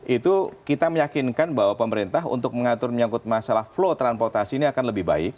itu kita meyakinkan bahwa pemerintah untuk mengatur menyangkut masalah flow transportasi ini akan lebih baik